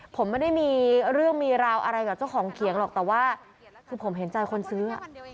ผมไม่ได้มีเรื่องมีราวอะไรกับเจ้าของเขียงหรอกแต่ว่าคือผมเห็นใจคนซื้อ